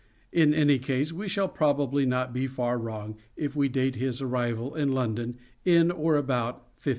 In any case, we shall probably not be far wrong if we date his arrival in London in or about 1587.